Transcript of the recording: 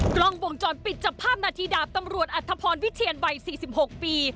กล้องวงจรปิดจับภาพนาทีดาบตำรวจอัธพรวิเทียนวัย๔๖ปี